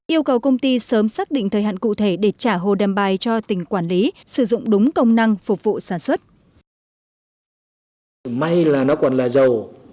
yêu cầu công ty sớm xác định thời hạn cụ thể để trả hồ đầm bài cho tỉnh quản lý sử dụng đúng công năng phục vụ sản xuất